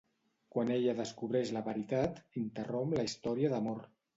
Quan ella descobreix la veritat interromp la història d'amor.